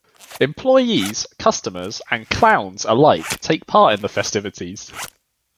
Employees, customers and clowns alike take part in the festivities.